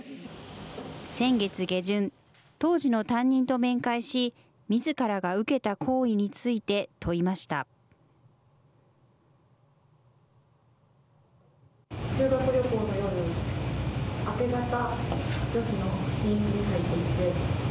先月下旬、当時の担任と面会し、みずからが受けた行為について問いました。